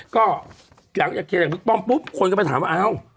ก็หลังจากเคลียร์จากบิ๊กป้อมปุ๊บคนก็ไปถามว่าเอ้า